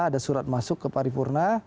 ada surat masuk ke paripurna